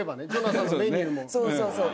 そうそうそう。